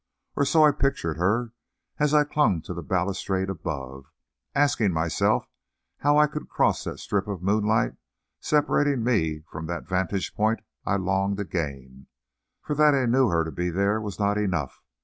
Or so I pictured her as I clung to the balustrade above, asking myself how I could cross that strip of moonlight separating me from that vantage point I longed to gain. For that I knew her to be there was not enough.